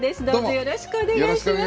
よろしくお願いします。